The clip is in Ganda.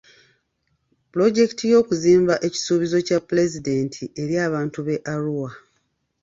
Pulojekiti y'okuzimba kisuubizo kya pulezidenti eri abantu b'e Arua.